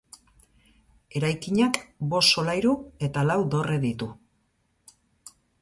Eraikinak bost solairu eta lau dorre ditu.